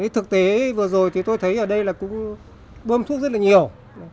thực tế vừa rồi thì tôi thấy ở đây là cũng bơm thuốc rất là nhiều